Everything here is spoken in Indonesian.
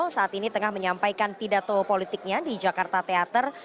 saat ini tengah menyampaikan pidato politiknya di jakarta teater